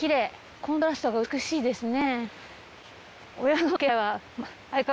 コントラストが美しいですね。